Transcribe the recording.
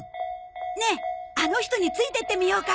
ねえあの人についてってみようか。